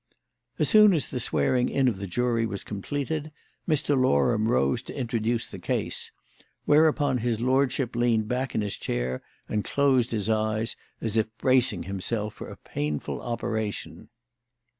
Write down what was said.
As soon as the swearing in of the jury was completed Mr. Loram rose to introduce the case; whereupon his lordship leaned back in his chair and closed his eyes, as if bracing himself for a painful operation.